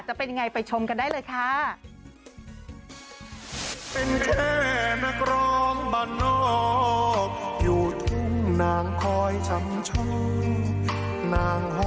จะเป็นยังไงไปชมกันได้เลยค่ะ